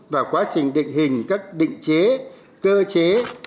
và quá trình định hình các định chế cơ chế